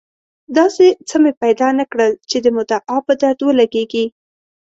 داسې څه مې پیدا نه کړل چې د مدعا په درد ولګېږي.